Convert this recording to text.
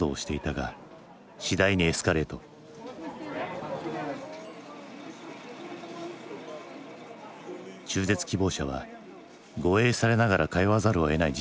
中絶希望者は護衛されながら通わざるをえない事態に陥っていた。